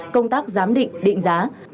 công tác giám định định giá